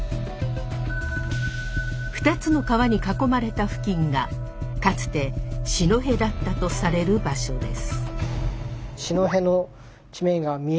２つの川に囲まれた付近がかつて四戸だったとされる場所です。